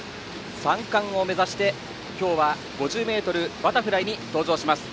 ３冠を目指して、今日は５０ｍバタフライに登場します。